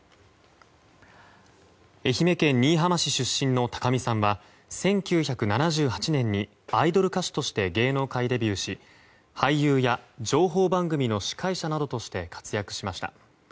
愛媛県新居浜市出身の高見さんは１９７８年にアイドル歌手として芸能界デビューし俳優や情報番組の司会者などとして活躍しました。